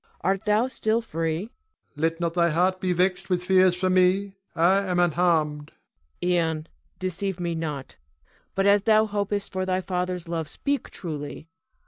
Art thou still free? Ion. Let not thy heart be vexed with fears for me, I am unharmed. Cleon. Ion, deceive me not, but as thou hopest for thy father's love, speak truly.